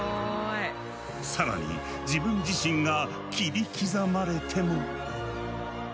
更に自分自身が切り刻まれても。